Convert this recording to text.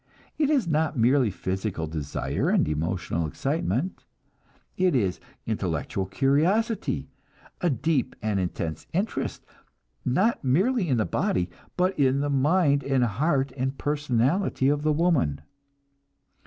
It is not merely physical desire and emotional excitement; it is intellectual curiosity, a deep and intense interest, not merely in the body, but in the mind and heart and personality of the woman.